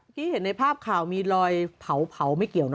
เมื่อกี้เห็นในภาพข่าวมีรอยเผาไม่เกี่ยวเนอะ